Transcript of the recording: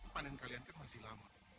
panen kalian kan masih lama